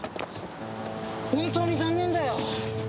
本当に残念だよ。